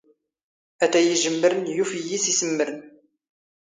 ⴰⵜⴰⵢ ⵉⵊⵎⵎⵔⵏ ⵢⵓⴼ ⵉⵢⵢⵉⵙ ⵉⵙⵎⵎⵔⵏ